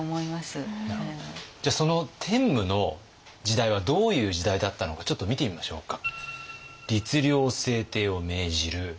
じゃあその天武の時代はどういう時代だったのかちょっと見てみましょうか。